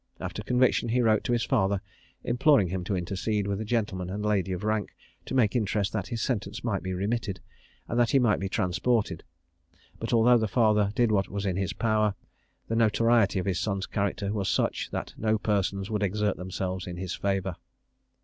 After conviction he wrote to his father, imploring him to intercede with a gentleman and lady of rank, to make interest that his sentence might be remitted, and that he might be transported; but although the father did what was in his power, the notoriety of his son's character was such, that no persons would exert themselves in his favour.